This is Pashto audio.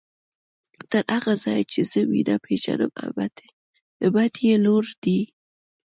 تر هغه ځايه چې زه مينه پېژنم همت يې لوړ دی.